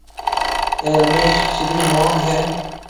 اَي رميش رِي مونڱ هيَ۔